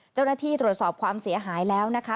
เจ้าหน้าที่ตรวจสอบความเสียหายแล้วนะคะ